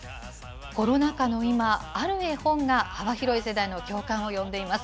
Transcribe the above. コロナ禍の今、ある絵本が幅広い世代の共感を呼んでいます。